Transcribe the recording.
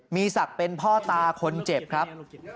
มีศักดิ์เป็นพ่อตาคนเจ็บครับ